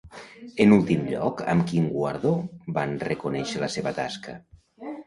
En últim lloc, amb quin guardó van reconèixer la seva tasca?